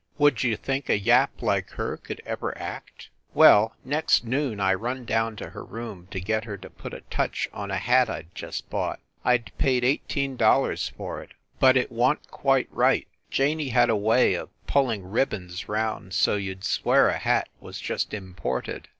Would you think a yap like her could ever act ? Well, next noon I run down to her room to get her to put a touch on a hat I d just bought. I d paid eighteen dollars for it, but it wan t quite right. Janey had a way of pulling ribbons round so you d swear a hat was just imported.